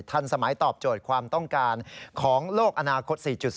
ทันสมัยตอบโจทย์ความต้องการของโลกอนาคต๔๐